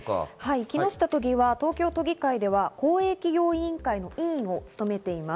木下都議は東京都議会では公営企業委員会の委員を務めています。